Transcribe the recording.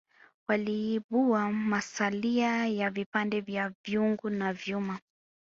waliibua masalia ya vipande vya vyungu na vyuma